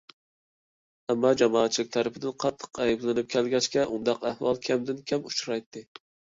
ئەمما، جامائەتچىلىك تەرىپىدىن قاتتىق ئەيىبلىنىپ كەلگەچكە، ئۇنداق ئەھۋال كەمدىن كەم ئۇچرايتتى.